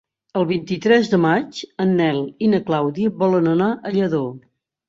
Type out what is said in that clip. El vint-i-tres de maig en Nel i na Clàudia volen anar a Lladó.